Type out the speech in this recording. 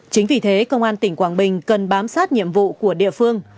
chính vì thế công an tỉnh quảng bình cần bám sát nhiệm vụ của địa phương